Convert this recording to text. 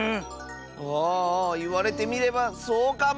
ああああいわれてみればそうかも！